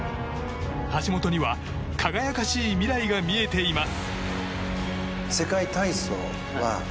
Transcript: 橋本には輝かしい未来が見えています。